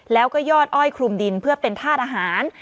แล้วก็ยอดอ้อยคลุมดินเพื่อเป็นธาตุอาหาร